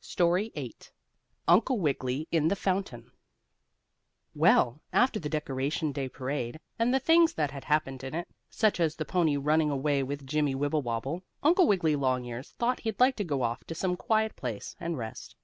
STORY VIII UNCLE WIGGILY IN THE FOUNTAIN Well, after the Decoration Day parade, and the things that happened in it, such as the pony running away with Jimmie Wibblewobble, Uncle Wiggily Longears thought he'd like to go off to some quiet place and rest.